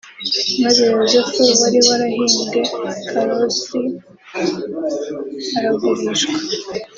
Maze Yosefu wari warahimbwe karosi aragurishwa